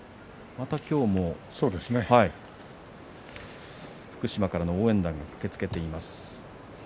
今日もまた福島からの応援団が駆けつけています。